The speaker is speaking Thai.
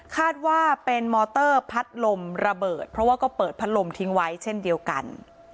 คาดว่าเป็นมอเตอร์พัดลมระเบิดเพราะว่าก็เปิดพัดลมทิ้งไว้เช่นเดียวกัน